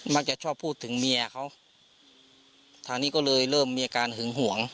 มักจะชอบพูดถึงเมียเขาทางนี้ก็เลยเริ่มมีอาการหึงหวง